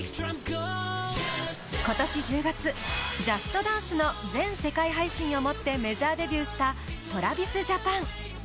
今年１０月「ＪＵＳＴＤＡＮＣＥ！」の全世界配信をもってメジャーデビューしたＴｒａｖｉｓＪａｐａｎ。